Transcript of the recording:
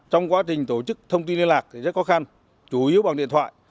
trong quá trình tổ chức thông tin liên lạc thì rất khó khăn chủ yếu bằng điện thoại